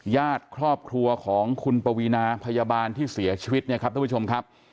ญาติครอบครัวของคุณปวีนาพยาบาลที่เสียชีวิตเนี่ยครับท่านผู้ชมครับ